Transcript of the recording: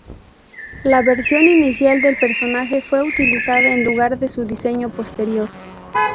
La versión inicial del personaje fue utilizada en lugar de su diseño posterior.